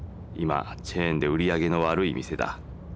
今チェーンで売り上げの悪い店だ。